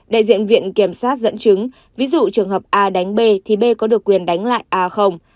đại diện viện kiểm sát dẫn chứng ví dụ trường hợp a đánh b thì b có được quyền đánh lại a